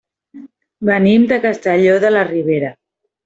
Venim de Castelló de la Ribera.